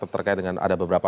terkait dengan ada beberapa